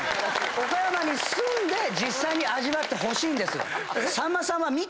岡山に住んで実際に味わってほしいんですよ。